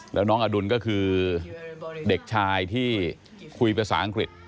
แล้วน้องอดุลก็คือเด็กชายที่คุยภาษาอังกฤษ